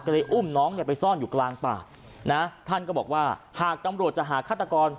ก็เลยอุ้มน้องเนี่ยไปซ่อนอยู่กลางป่านะท่านก็บอกว่าหากตำรวจจะหาฆาตกร